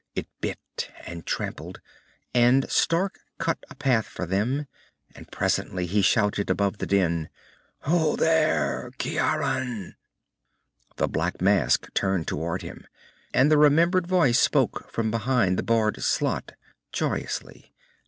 It bit and trampled, and Stark cut a path for them, and presently he shouted above the din, "Ho, there! Ciaran!" The black mask turned toward him, and the remembered voice spoke from behind the barred slot, joyously.